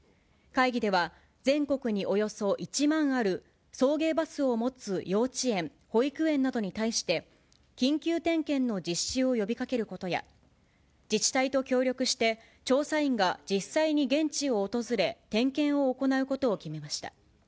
会議では全国におよそ１万ある、送迎バスを持つ幼稚園、保育園などに対して、緊急点検の実施を呼びかけることや、自治体と協力して、調査員が実際に現地を訪れ、点検を行うことを決めました。